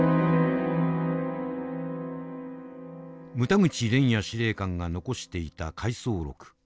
牟田口廉也司令官が残していた回想録。